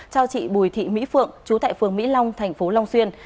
trao chị bùi thị mỹ phượng chú tại phường mỹ long tp long xuyên